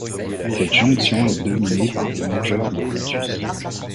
Cette jonction est dominée par les Mangeurs de Lotus.